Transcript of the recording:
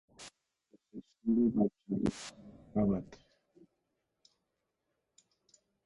He was succeeded by Charles Greeley Abbot.